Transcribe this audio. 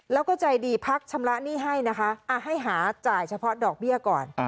แล้วก็ใจดีพักชำระหนี้ให้นะคะให้หาจ่ายเฉพาะดอกเบี้ยก่อน